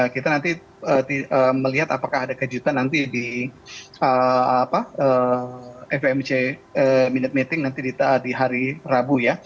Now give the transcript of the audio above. kita nanti melihat apakah ada kejutan nanti di fvmc minute meeting nanti di hari rabu ya